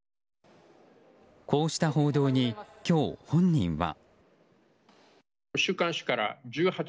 こうした報道に今日、本人は。